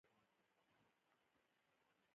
کاذبې پوهې باید ختمې شي.